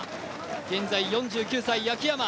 現在４９歳、秋山。